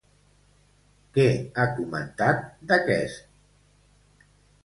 Què ha comentat d'aquest?